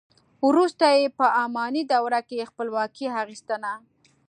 وروسته یې په اماني دوره کې خپلواکي اخیستنه.